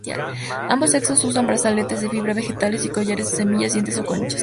Ambos sexos usan brazaletes de fibras vegetales y collares de semillas, dientes o conchas.